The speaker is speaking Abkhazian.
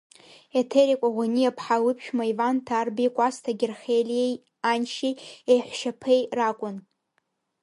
Еҭери Кәаӷәаниаԥҳа лыԥшәма Иван Ҭарбеи Кәасҭа Герхелиеи аншьеи еиҳәшьаԥеи ракәын.